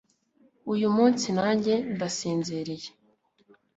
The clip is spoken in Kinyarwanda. uyu munsi, nanjye ndasinziriye